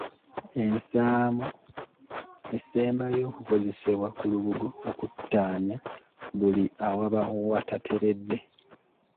Ensaamo esembayo okukozesebwa ku lubugo okuttaanya buli awaba watateredde.